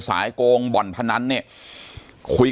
ปากกับภาคภูมิ